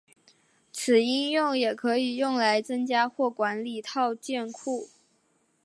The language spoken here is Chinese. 此应用也可用来增加或管理套件库。